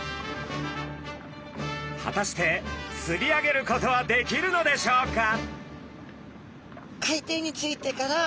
果たして釣り上げることはできるのでしょうか？